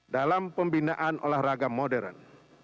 dalam pembinaan olahraga modern